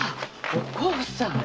お甲さん。